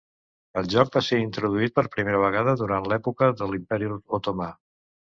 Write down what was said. El joc va ser introduït per primera vegada durant l'època de l'Imperi Otomà.